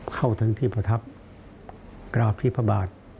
ทั้งที่ประทับกราบที่พระบาท